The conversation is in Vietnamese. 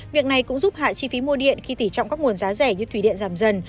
việc này cũng giúp hạ chi phí mua điện khi tỉ trọng các nguồn giá rẻ như thủy điện giảm dần